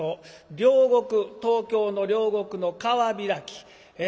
両国東京の両国の川開きえ